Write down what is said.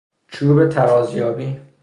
چوب ترازیابی